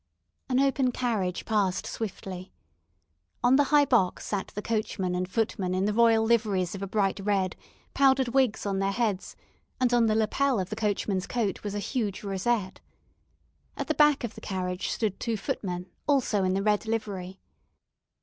An open carriage passed swiftly. On the high box sat the coachman and footman in the royal liveries of a bright red, powdered wigs on their heads, and on the lapel of the coachman's coat was a huge rosette. At the back of the carriage stood two footmen, also in the red livery.